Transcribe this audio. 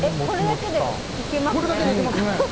これだけでいけますね。